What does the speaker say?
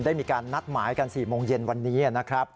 ได้มีการนัดหมายกัน๔โมงเย็นวันนี้นะครับ